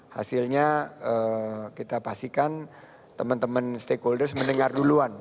hasilnya kita pastikan teman teman stakeholders mendengar duluan